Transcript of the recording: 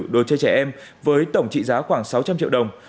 đồ chơi trẻ em với tổng trị giá khoảng sáu trăm linh triệu đồng